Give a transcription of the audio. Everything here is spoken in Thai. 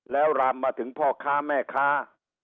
แล้วรามมาถึงพ่อค้าแม่ค้า